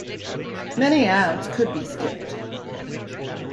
Many ads could be skipped.